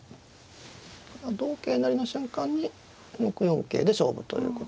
同桂成の瞬間に６四桂で勝負ということですね。